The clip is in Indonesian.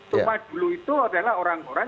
cuma dulu itu adalah orang orang